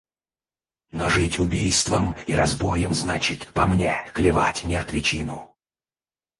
– Но жить убийством и разбоем значит, по мне, клевать мертвечину.